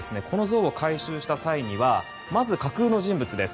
この像を回収した際にはまず、架空の人物です。